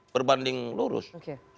berbanding lurus oke